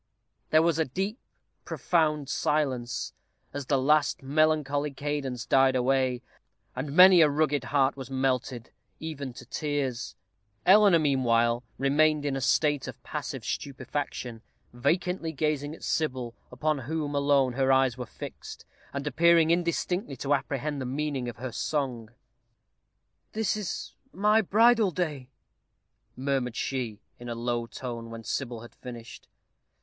There was a deep, profound silence as the last melancholy cadence died away, and many a rugged heart was melted, even to tears. Eleanor, meanwhile, remained in a state of passive stupefaction, vacantly gazing at Sybil, upon whom alone her eyes were fixed, and appearing indistinctly to apprehend the meaning of her song. "This is my bridal day," murmured she, in a low tone, when Sybil had finished.